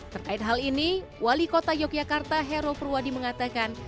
terkait hal ini wali kota yogyakarta hero perwadi mengatakan